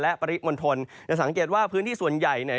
และปริมณฑลอย่าสังเกตว่าพื้นที่ส่วนใหญ่